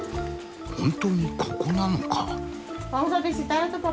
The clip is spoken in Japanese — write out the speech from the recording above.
本当にここなのか？